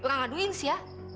enggak aduin sih ya